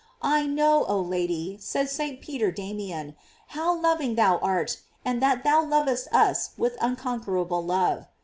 I know, oh Lady, said St. Peter Damian, how loving thou art, and that thou lovest us with un conquerable love.